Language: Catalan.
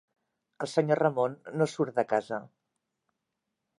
El senyor Ramon no surt de casa.